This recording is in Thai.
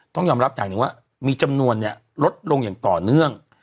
ต้องยอมรับอย่างหนึ่งว่ามีจำนวนลดลงอย่างต่อเนื่อง